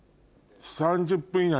３０分以内。